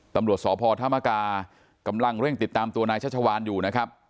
ตำรวจสพธมกากำลังเร่งติดตามตัวนายชัชวานอยู่นะครับ